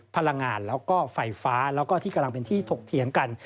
พลังงานแล้วก็ไฟฟ้าแล้วก็ที่กำลังเป็นที่ถกเถียงกัน